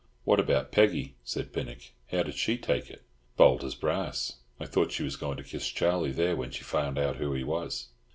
"What about Peggy?" said Pinnock. "How did she take it?" "Bold as brass! I thought she was going to kiss Charlie there, when she found out who he was."